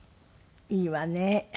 いいわね。